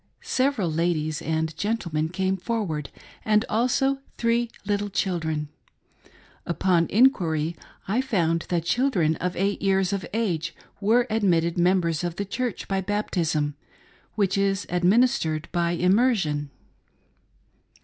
Several ladies and gentlemen came forward, and also three little children. Upon inquiry I found that children of eight years of age were admitted members of the Church by baptism — which is administered by immersion.